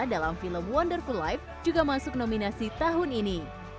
dalam film wonderful life juga masuk nominasi tahun ini